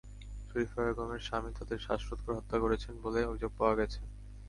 শরিফা বেগমের স্বামী তাদের শ্বাসরোধ করে হত্যা করেছেন বলে অভিযোগ পাওয়া গেছে।